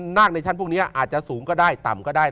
นาคในชั้นพวกนี้อาจจะสูงก็ได้ต่ำก็ได้